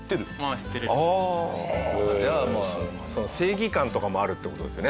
じゃあ正義感とかもあるって事ですよね。